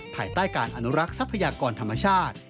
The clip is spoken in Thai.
ภายใต้การอนุรักษ์ทรัพยากรธรรมชาติ